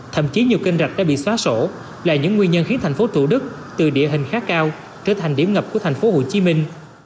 thậm chí nhiều kênh rạch đã bị xóa sổ là những nguyên nhân khiến thành phố thủ đức từ địa hình khá cao trở thành điểm ngập của thành phố hồ chí minh